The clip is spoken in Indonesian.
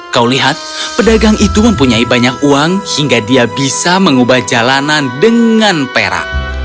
kau lihat pedagang itu mempunyai banyak uang hingga dia bisa mengubah jalanan dengan perak